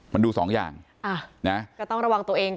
อ๋อมันดูสองอย่างอ่านะก็ต้องระวังตัวเองกัน